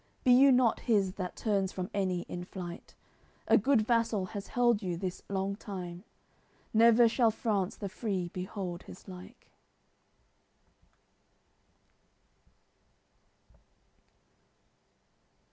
Be you not his that turns from any in flight! A good vassal has held you this long time; Never shall France the Free behold his like."